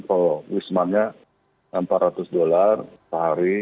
kalau wisman nya empat ratus dollar sehari